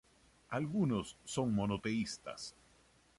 Algunos son monoteístas.